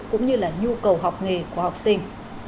cũng như là nhu cầu học nghề của học sinh